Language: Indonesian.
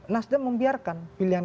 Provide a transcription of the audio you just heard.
nasdem membiarkan pilihan kursi